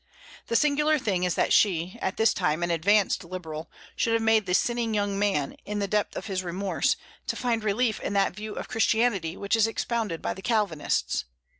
The singular thing is that she at this time an advanced liberal should have made the sinning young man, in the depth of his remorse, to find relief in that view of Christianity which is expounded by the Calvinists.